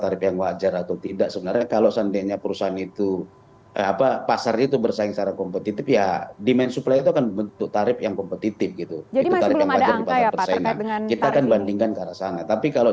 tarif yang kompetitif gitu jadi masih ada angka ya pak kita akan bandingkan ke arah sana tapi kalau